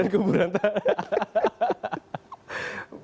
dan kuburan tadi